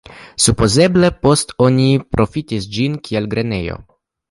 Supozeble poste oni profitis ĝin kiel grenejo.